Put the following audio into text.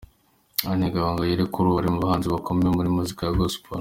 Aline Gahongayire kuri ubu ari mu bahanzi bakomeye mu muziki wa Gospel.